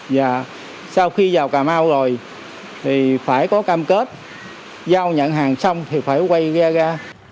và sau khi vào cà mau rồi thì phải có cam kết giao nhận hàng xong thì phải quay ra ga